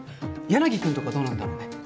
柳くんとかどうなんだろうね？